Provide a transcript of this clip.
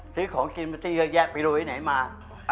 ซื้อของกินมาที่เยอะแยะไปโรวไอ้ไหนมา